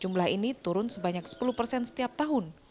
jumlah ini turun sebanyak sepuluh persen setiap tahun